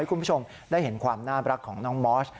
คุณผู้ชมได้เห็นความน่ารักของน้องมอส